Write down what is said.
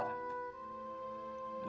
lu jagain dia ya